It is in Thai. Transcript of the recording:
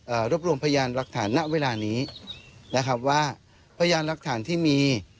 รวบรวมพยานหลักฐานณเวลานี้นะครับว่าพยานหลักฐานที่มี